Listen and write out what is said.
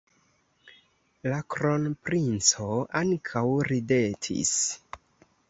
La kronprinco ankaŭ ridetis.